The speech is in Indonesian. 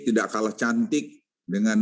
tidak kalah cantik dengan